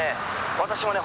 私もね